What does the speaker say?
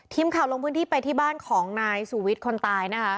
ทีมข่าวลงพื้นที่ไปที่บ้านของนายสุวิทย์คนตายนะคะ